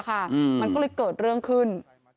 มันก็เลยเกิดเรื่องขึ้น